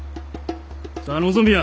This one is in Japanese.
さあ望みや！